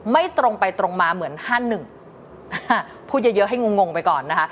ไม่ตรงไปตรงมาเหมือน๕๑พูดเยอะให้งงไปก่อนนะคะ